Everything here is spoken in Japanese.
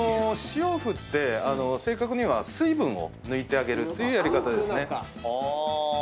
塩を振って正確には水分を抜いてあげるというやり方ですね。